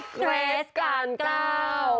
เกรทกาลเก้า